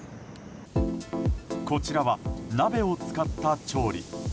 こちらは鍋を使った調理。